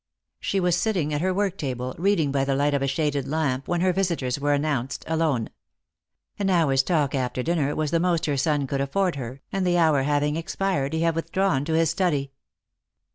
She was sitting at her work table, reading by the light of a shaded lamp, when her visitors were announced, alone. An hour's talk after dinner was the most her son could afford her, and the hour having expired, he had withdrawn to his study.